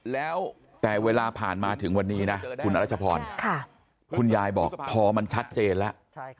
แล้วแต่เวลาผ่านมาถึงวันนี้นะคุณรัชพรคุณยายบอกพอมันชัดเจนแล้ว